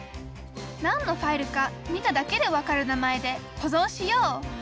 何のファイルか見ただけで分かる名前で保存しよう。